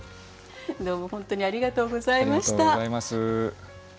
どうも本当にありがとうございました。